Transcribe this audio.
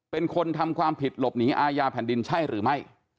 เป็นคนทำความผิดหลบหนีอาญาแผ่นดินใช่หรือไม่